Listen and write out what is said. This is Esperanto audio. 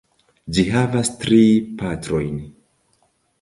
Ĝi havas tri partojn.